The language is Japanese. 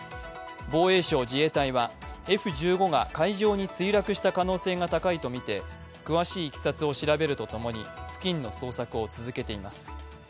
防衛省・自衛隊はＦ１５が海上に墜落した可能性が高いとみて、詳しいいきさつを調べるとともに付近の捜索を続けています。